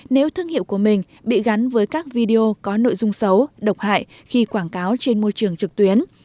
nếu thương hiệu của mình bị gắn với các video có nội dung xấu độc hại khi quảng cáo trên môi trường trực tuyến